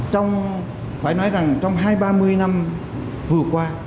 trong phải nói rằng trong hai ba mươi năm vừa qua